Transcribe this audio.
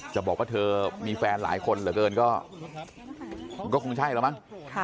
จะบอกว่าเธอมีแฟนหลายคนเหลือเกินก็มันก็คงใช่แล้วมั้ง